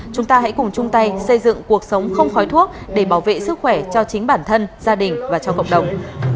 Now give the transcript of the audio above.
chúng ta hãy cùng chung tay xây dựng cuộc sống không khói thuốc để bảo vệ sức khỏe cho chính bản thân gia đình và cho cộng đồng